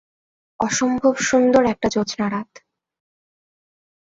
অসম্ভব সুন্দর একটা জোছনা রাত।